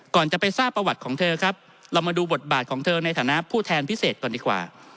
ก่อนจะไปทราบประวัติของเธอครับเรามาดูบทบาทของเธอในฐานะผู้แทนพิเศษก่อนดีกว่า